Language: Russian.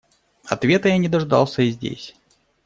Ответа я не дождался и здесь.